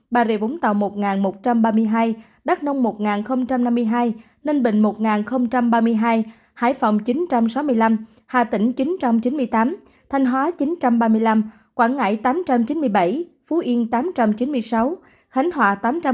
bà rịa vũng tàu một một trăm ba mươi hai đắk nông một năm mươi hai ninh bình một ba mươi hai hải phòng chín sáu trăm một mươi năm hà tĩnh chín chín mươi tám thanh hóa chín ba mươi năm quảng ngãi tám chín mươi bảy phú yên tám chín mươi sáu khánh hòa tám một mươi chín